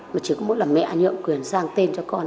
mà chỉ có mỗi lần mẹ anh hướng quyền sang tên cho con